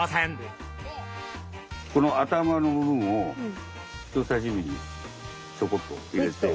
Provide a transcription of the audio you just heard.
この頭の部分を人さし指でちょこっと入れて。